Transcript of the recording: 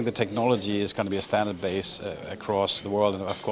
karena teknologi ini akan menjadi standar di seluruh dunia